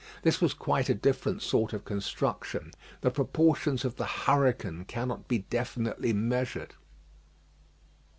This was quite a different sort of construction. The proportions of the hurricane cannot be definitely measured.